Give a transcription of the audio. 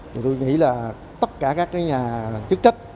thì tôi nghĩ là tất cả các nhà chức trách